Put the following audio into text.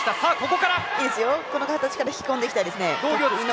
この形から引き込んでいきたいです。